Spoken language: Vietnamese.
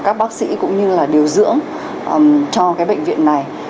các bác sĩ cũng như là điều dưỡng cho cái bệnh viện này